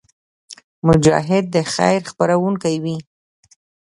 مجاهد د خیر خپرونکی وي.